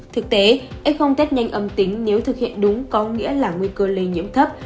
thực tế f test nhanh âm tính nếu thực hiện đúng có nghĩa là nguy cơ lây nhiễm thấp